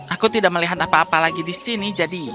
aku tidak melihat apa apa lagi di sini jadi